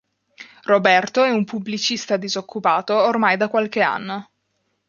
Roberto è un pubblicista disoccupato ormai da qualche anno.